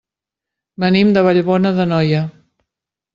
Venim de Vallbona d'Anoia.